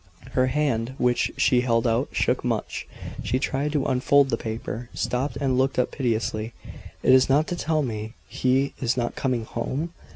Her hand, which she held out, shook much. She tried to unfold the paper stopped, and looked up piteously. "It is not to tell me he is not coming home?